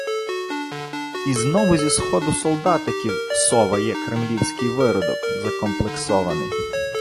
І знову зі сходу солдатиків соває кремлівський виродок закомплексований.